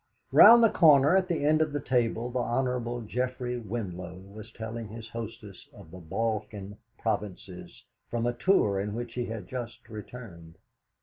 Round the corner at the end of the table the Hon. Geoffrey Winlow was telling his hostess of the Balkan Provinces, from a tour in which he had just returned.